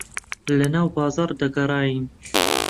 لەناو بازاڕ دەگەڕاین.